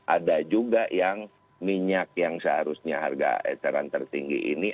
ada juga yang minyak yang seharusnya harga eceran tertinggi ini